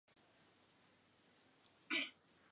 Ha publicado varios trabajos sobre esto.